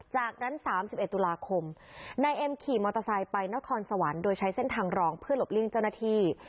จากนั้น๓๑ตุลาคมนายเอ็มขี่มอเตอร์ไซค์ไปนครสวรรค์โดยใช้เส้นทางรองเพื่อหลบเลี่ยงเจ้าหน้าที่